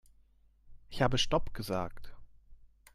Ich habe stopp gesagt.